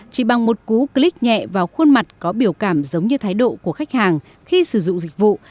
chỉ bằng một cú click nhẹ vào khuôn mặt có biểu cảm giống như thái độ của khách hàng khi sử dụng dịch vụ